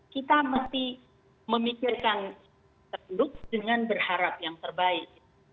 kita mesti memikirkan teluk dengan berharap yang terbaik